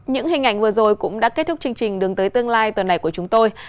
những hình ảnh vừa rồi cũng đã kết thúc chương trình đường tới tương lai tuần này của chúng tôi